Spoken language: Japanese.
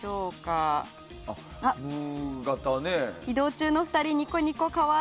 移動中の２人ニコニコ可愛い。